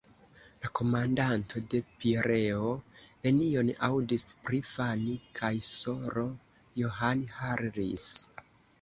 La komandanto de Pireo nenion aŭdis pri Fanni kaj S-ro John Harris.